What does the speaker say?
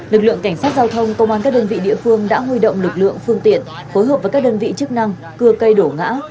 lực lượng cảnh sát giao thông công an các đơn vị địa phương đã huy động lực lượng phương tiện phối hợp với các đơn vị chức năng cưa cây đổ ngã